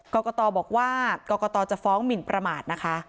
กรกตบอกว่ากรกตจะฟ้องหมินประมาทนะคะ